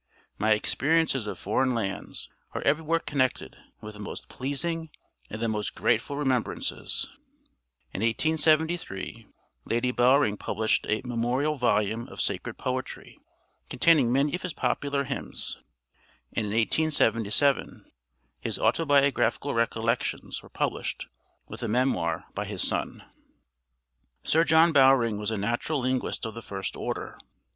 My experiences of foreign lands are everywhere connected with the most pleasing and the most grateful remembrances." In 1873 Lady Bowring published a 'Memorial Volume of Sacred Poetry,' containing many of his popular hymns; and in 1877 his 'Autobiographical Recollections' were published, with a memoir by his son. Sir John Bowring was a natural linguist of the first order.